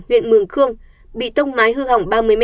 huyện mường khương bị tốc mái hư hỏng ba mươi m hai